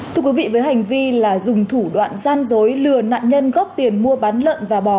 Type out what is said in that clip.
thưa quý vị với hành vi là dùng thủ đoạn gian dối lừa nạn nhân góp tiền mua bán lợn và bò